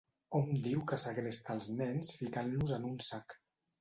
Hom diu que segresta els nens ficant-los en un sac.